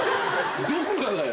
どこがだよ！